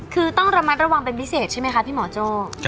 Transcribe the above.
คือต้องระมัดระวังเป็นพิเศษใช่ไหมคะพี่หมอโจ้